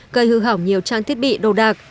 gây hư hỏng nhiều trang thiết bị đồ đạc